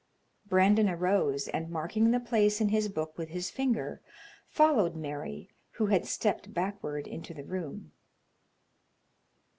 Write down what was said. Brandon arose, and marking the place in his book with his finger, followed Mary, who had stepped backward into the room.